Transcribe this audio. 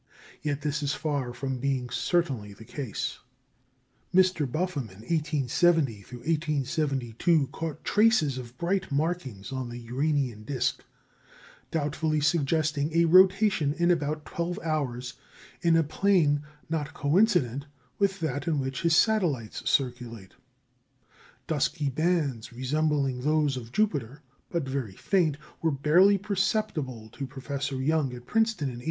Yet this is far from being certainly the case. Mr. Buffham in 1870 72 caught traces of bright markings on the Uranian disc, doubtfully suggesting a rotation in about twelve hours in a plane not coincident with that in which his satellites circulate. Dusky bands resembling those of Jupiter, but very faint, were barely perceptible to Professor Young at Princeton in 1883.